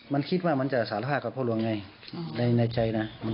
มันคิดว่ามันจะสารภาพกับพ่อหลวงไงในใจนะ